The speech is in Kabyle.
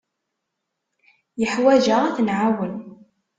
Yeḥwaj-aɣ ad t-nɛawen.